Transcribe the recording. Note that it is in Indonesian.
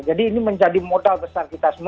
jadi ini menjadi modal besar kita semua